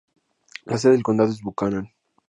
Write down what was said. La sede del condado es Buchanan.